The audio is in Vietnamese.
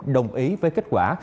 đồng ý với kết quả